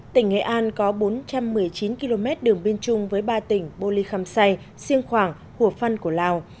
tỉnh nghệ an có bốn trăm một mươi chín km đường biên chung với ba tỉnh bô ly khăm say siêng khoảng hùa phân của lào